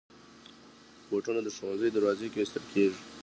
بوټونه د ښوونځي دروازې کې ایستل کېږي.